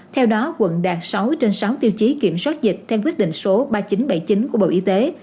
theo đó quận đạt sáu trên sáu tiêu chí kiểm soát dịch theo quyết định số ba nghìn chín trăm bảy mươi chín của bộ y tế